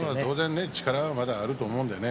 まだまだ力はあると思うんでね